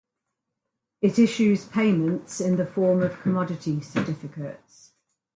It issues payments in the form of Commodity Certificates.